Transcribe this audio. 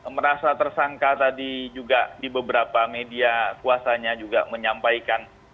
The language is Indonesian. merasa tersangka tadi juga di beberapa media kuasanya juga menyampaikan